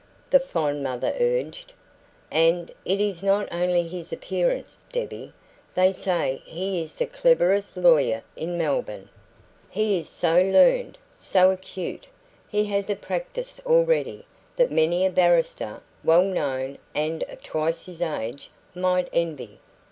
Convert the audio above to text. the fond mother urged. "And it is not only his appearance, Debbie they say he is the cleverest lawyer in Melbourne. He is so learned, so acute! He has a practice already that many a barrister, well known and of twice his age, might envy."